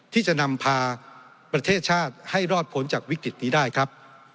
ที่จะนำพาประเทศชาติให้รอดผลจากวิกฤตนี้ได้ครับ